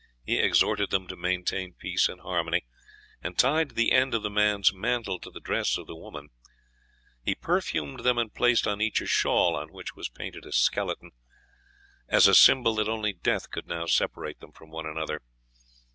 He exhorted them to maintain peace and harmony, and tied the end of the man's mantle to the dress of the woman; he perfumed them, and placed on each a shawl on which was painted a skeleton, "as a symbol that only death could now separate them from one another."